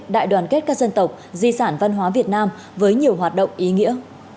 đại đoàn kết các dân tộc di sản văn hóa việt nam với nhiều hoạt động ý nghĩa